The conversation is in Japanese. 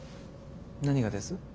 何がです？